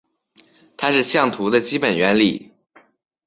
它是相图的基本原理。